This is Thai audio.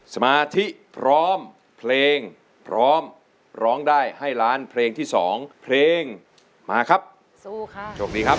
สมาธิพร้อมเพลงพร้อมร้องได้ให้ล้านเพลงที่สองเพลงมาครับสู้ค่ะโชคดีครับ